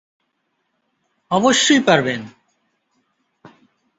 অবশ্যই পারবেন।